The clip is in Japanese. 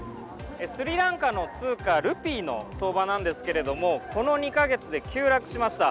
スリランカの通貨ルピーの相場なんですけれどもこの２か月で急落しました。